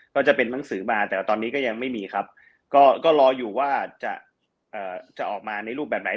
ก็จะเป็นหนังสือมาแต่ว่าตอนนี้ก็ยังไม่มีครับก็รออยู่ว่าจะออกมาในรูปแบบไหน